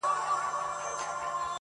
زموږ اعمال د ځان سرمشق کړه تاریخ ګوره!!